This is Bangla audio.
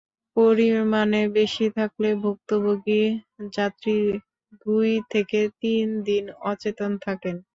পরিমাণে বেশি থাকলে ভুক্তভোগী যাত্রী দুই থেকে তিন দিন অচেতন থাকেন।